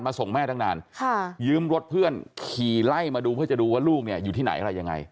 มาส่งแม่ตั้งนานยืมรถเพื่อนขี่ไล่มาดูเพื่อจะดูว่าลูกอยู่ที่ไหน